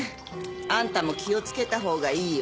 あんたも気をつけたほうがいいよ。